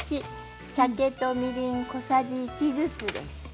酒とみりんが小さじ１ずつです。